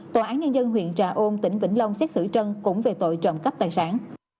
tòa án nhân dân huyện trà ôn tỉnh vĩnh long xét xử trân cũng về tội trộm cắp tài sản